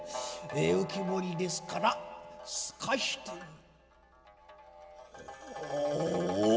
え浮き彫りですから透かしておおお！